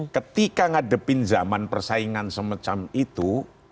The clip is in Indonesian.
ketika ngadepin zaman persaingan semacam itu